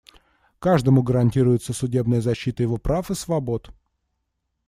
Каждому гарантируется судебная защита его прав и свобод.